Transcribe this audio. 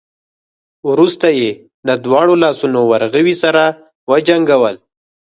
وروسته يې د دواړو لاسونو ورغوي سره وجنګول.